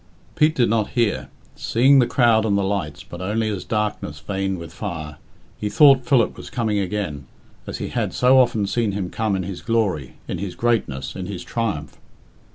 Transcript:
Pete did not hear. Seeing the crowd and the lights, but only as darkness veined with fire, he thought Philip was coming again, as he had so often seen him come in his glory, in his greatness, in his triumph.